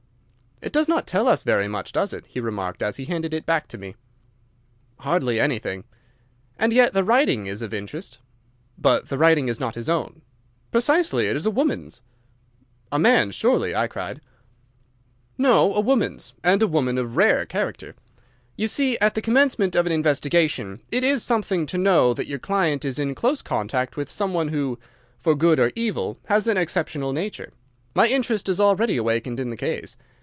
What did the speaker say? "It does not tell us very much, does it?" he remarked, as he handed it back to me. "Hardly anything." "And yet the writing is of interest." "But the writing is not his own." "Precisely. It is a woman's." "A man's surely," I cried. "No, a woman's, and a woman of rare character. You see, at the commencement of an investigation it is something to know that your client is in close contact with some one who, for good or evil, has an exceptional nature. My interest is already awakened in the case.